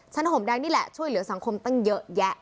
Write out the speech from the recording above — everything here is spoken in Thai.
ห่มแดงนี่แหละช่วยเหลือสังคมตั้งเยอะแยะ